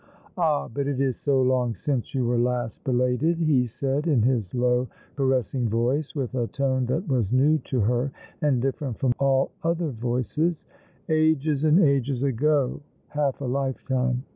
" Ah, but it is so long since you were last belated," ho said, in his low caressing voice, with a tone that was new to her and different from all other voices; *'ages and ages ago — half a lifetime.